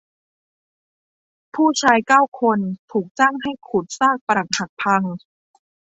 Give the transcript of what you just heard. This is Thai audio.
ผู้ชายเก้าคนถูกจ้างให้ขุดซากปรักหักพัง